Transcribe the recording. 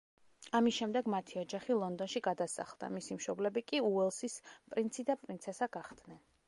ამის შემდეგ მათი ოჯახი ლონდონში გადასახლდა, მისი მშობლები კი უელსის პრინცი და პრინცესა გახდნენ.